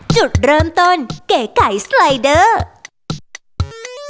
จุดเริ่มต้นเก๋ไก่สไลเดอร์